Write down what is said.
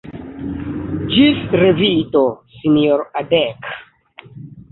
Ĝis revido, sinjoro Adek.